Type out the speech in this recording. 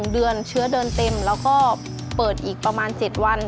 เดือนเชื้อเดินเต็มแล้วก็เปิดอีกประมาณ๗วัน